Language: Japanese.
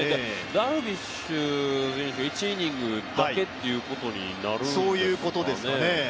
ダルビッシュ選手が１イニングだけということになるんですかね。